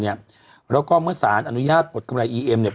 และเมื่อสารอนุญาตบทกำไรเนี่ย